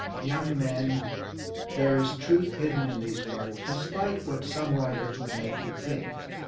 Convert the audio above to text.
Young men, there is truth hidden in these words, despite what some writers would make you think.